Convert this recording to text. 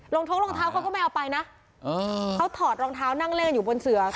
ท้องรองเท้าเขาก็ไม่เอาไปนะเขาถอดรองเท้านั่งเล่นกันอยู่บนเสือ